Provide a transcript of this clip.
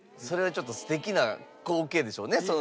それはちょっと素敵な光景でしょうね。